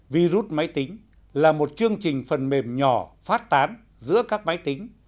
virus máy tính là một chương trình phần mềm nhỏ phát tán giữa các máy tính